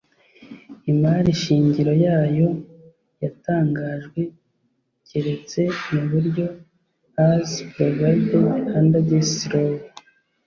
imari shingiro yayo yatangajwe keretse mu buryo as provided under this Law